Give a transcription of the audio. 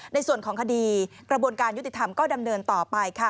ในส่วนของคดีกระบวนการยุติธรรมก็ดำเนินต่อไปค่ะ